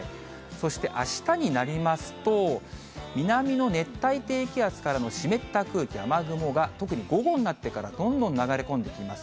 そしてあしたになりますと、南の熱帯低気圧からの湿った空気、雨雲が、特に午後になってからどんどん流れ込んできます。